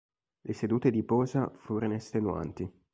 Le sedute di posa furono estenuanti.